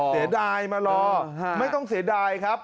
เสียดายมารอไม่ต้องเสียดายครับ